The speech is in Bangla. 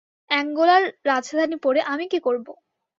অ্যাঙ্গোলার রাজধানীর পড়ে আমি কী করবো?